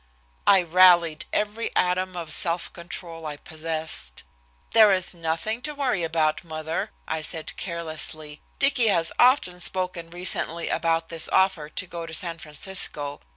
I rallied every atom of self control I possessed. "There is nothing to worry about, mother," I said carelessly. "Dicky has often spoken recently about this offer to go to San Francisco.